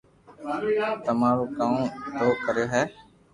۾ تمارو ڪاو دوھ ڪريو ھي